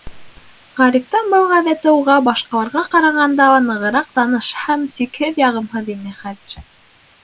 Ғарифтың был ғәҙәте уға башҡаларға ҡарағанда ла нығыраҡ таныш һәм сикһеҙ яғымһыҙ ине хәҙер.